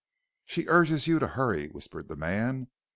"'She urges you to hurry,' whispered the man.